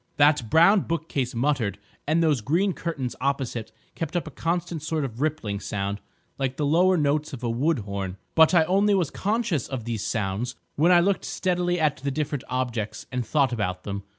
That brown bookcase muttered, and those green curtains opposite kept up a constant sort of rippling sound like the lower notes of a wood horn. But I only was conscious of these sounds when I looked steadily at the different objects, and thought about them.